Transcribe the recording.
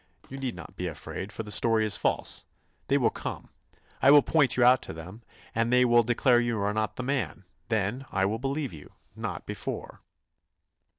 You need not be afraid, for the story is false. They will come, I will point you out to them, and they will declare you are not the man. Then I will believe you—not before."